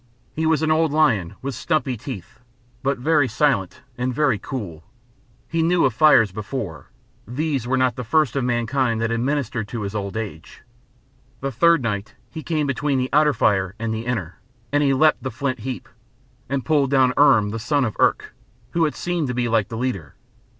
He was an old lion with stumpy teeth, but very silent and very cool; he knew of fires before; these were not the first of mankind that had ministered to his old age. The third night he came between the outer fire and the inner, and he leapt the flint heap, and pulled down Irm the son of Irk, who had seemed like to be the leader.